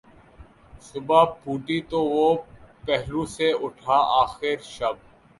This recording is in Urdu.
صبح پھوٹی تو وہ پہلو سے اٹھا آخر شب